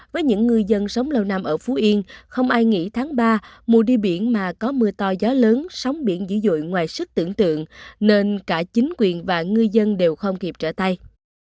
với những ngư dân sống lâu năm ở phú yên không ai nghĩ tháng ba mùa đi biển mà có mưa to gió lớn sóng biển dữ dội ngoài sức tưởng tượng nên cả chính quyền và ngư dân đều không kịp trở tay